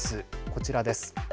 こちらです。